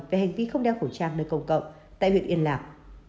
về hành vi không đeo khẩu trang nơi công cộng tại huyện yên lạc